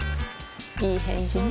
いい返事ね